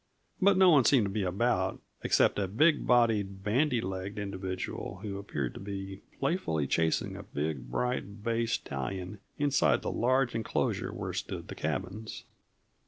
But no one seemed to be about except a bigbodied, bandy legged individual, who appeared to be playfully chasing a big, bright bay stallion inside the large enclosure where stood the cabins.